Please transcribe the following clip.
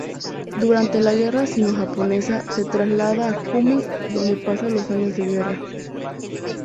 Durante la guerra sinojaponesa se traslada a Kunming, donde pasa los años de guerra.